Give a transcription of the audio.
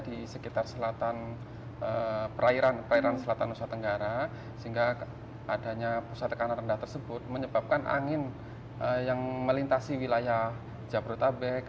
anda di sekitar perairan selatan nusa tenggara sehingga adanya pusat tekanan rendah tersebut menyebabkan angin yang melintasi wilayah jabrotabek